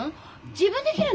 自分で切るの！？